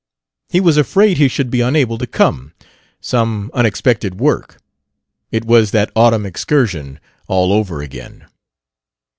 He was afraid he should be unable to come; some unexpected work... It was that autumn excursion all over again.